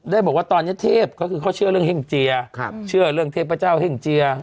บอกว่าตอนนี้เทพก็คือเขาเชื่อเรื่องเฮ่งเจียเชื่อเรื่องเทพเจ้าเฮ่งเจีย